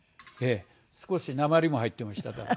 少しなまりも入ってましたから。